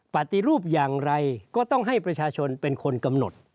ปฏิรูปอย่างไรก็ต้องให้ประชาชนเป็นคนกำหนด